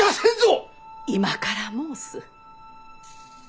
今から申す。